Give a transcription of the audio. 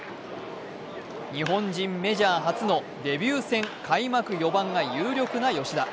日本人メジャー初のデビュー戦開幕４番が有力な吉田。